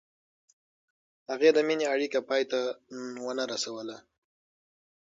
هغې د مینې اړیکه پای ته ونه رسوله.